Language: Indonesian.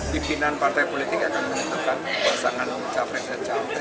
dipinan partai politik akan mengetahkan kekuasaan capres dan cawa